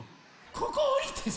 ここおりてさ。